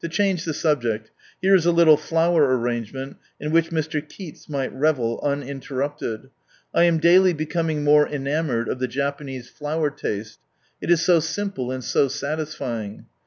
^^ change ihe subjecC^here is a lillle ^| ^^^^H flower artangement, in wliidi Mr. Keats might revel, uninlerrupled. I am daily becom H ^^^^^ :ng more enanioure<l of the Japanese flower taste. It is so simple and so satisfying.